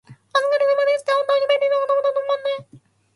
「お疲れ様です」って、本当に便利な言葉だと思わない？